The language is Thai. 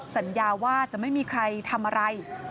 สัญญาว่าจะไม่มีใครทำอะไร